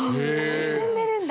進んでるんだ。